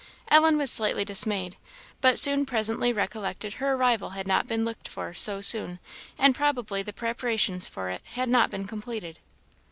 Ellen was slightly dismayed; but presently recollected her arrival had not been looked for so soon, and probably the preparations for it had not been completed.